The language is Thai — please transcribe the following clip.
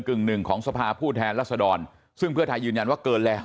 กึ่งหนึ่งของสภาผู้แทนรัศดรซึ่งเพื่อไทยยืนยันว่าเกินแล้ว